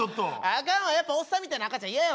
あかんわやっぱおっさんみたいな赤ちゃん嫌やわ。